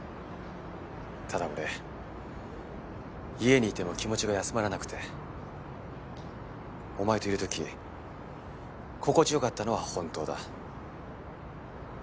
ただ俺家にいても気持ちが休まらなくてお前といる時心地よかったのは本当だ。